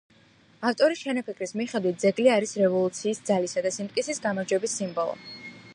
ავტორის ჩანაფიქრის მიხედვით ძეგლი არის რევოლუციის ძალისა და სიმტკიცის გამარჯვების სიმბოლო.